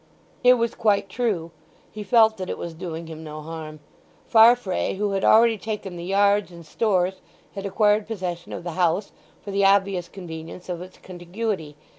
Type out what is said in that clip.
It was quite true: he felt that it was doing him no harm. Farfrae, who had already taken the yards and stores, had acquired possession of the house for the obvious convenience of its contiguity.